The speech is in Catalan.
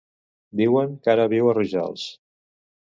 Diuen que ara viu a Rojals.